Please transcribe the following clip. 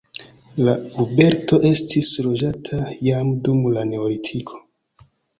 La urbeto estis loĝata jam dum la neolitiko.